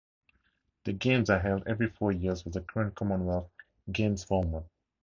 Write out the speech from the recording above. The games are held every four years with the current Commonwealth Games format.